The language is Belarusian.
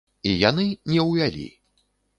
І яны не ўвялі.